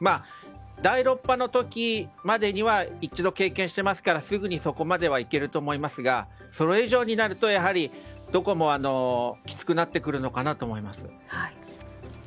第６波の時までには一度経験していますからすぐにそこまではいけると思いますがそれ以上になるとどこもきつくなってくるのかなと思います。